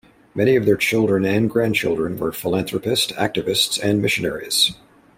Many of their children and grandchildren were philanthropist, activists and missionaries.